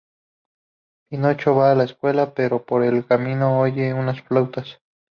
Pinocho va a la escuela, pero por el camino oye unas flautas.